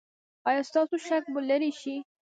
ایا ستاسو شک به لرې شي؟